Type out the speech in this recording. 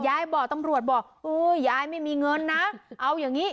บอกตำรวจบอกโอ้ยยายไม่มีเงินนะเอาอย่างงี้